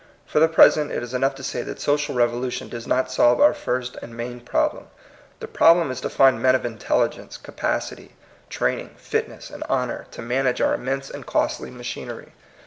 For the present it is enough to say that social revolution does not solve our first and main problem. The problem is to find men of intelligence, capacity, training, fitness, and honor to manage our immense and costly machinery.